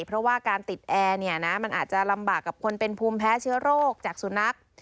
เพราะว่าการติดแอร์เนี่ยนะมันอาจจะลำบากกับคนเป็นภูมิแพ้เชื้อโรคจากสุนัข